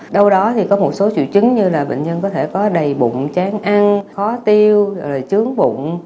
đâu đó thì có một số triệu chứng như là bệnh nhân có thể có đầy bụng chán ăn khó tiêu rồi chướng bụng